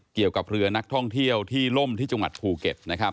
เกี่ยวกับเรือนักท่องเที่ยวที่ล่มที่จังหวัดภูเก็ตนะครับ